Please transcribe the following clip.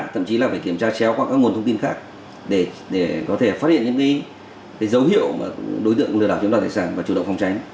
thậm chí là phải kiểm tra chéo qua các nguồn thông tin khác để có thể phát hiện những dấu hiệu đối tượng lừa đảo chiếm đoạt tài sản và chủ động phòng tránh